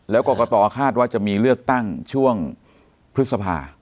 แล้วกรกตคาดว่าจะมีเลือกตั้งช่วงพฤษภา